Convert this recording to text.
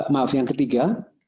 maaf yang ketiga